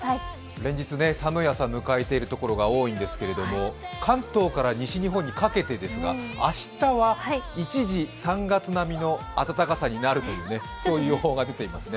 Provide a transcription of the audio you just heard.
連日寒い朝を迎えている所が多いんですけれども、関東から西日本にかけてですが明日は一時、３月並みの暖かさになるという予報が出ていますね。